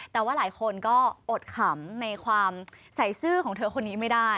แต่ว่าหลายคนก็อดขำในความใส่ซื่อของเธอคนนี้ไม่ได้